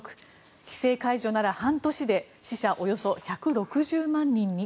規制解除なら半年で死者およそ１６０万人に。